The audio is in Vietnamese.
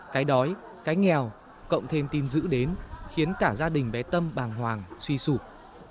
cái đói cái nghèo cộng thêm tin giữ đến khiến cả gia đình bé tâm bàng hoàng suy sụp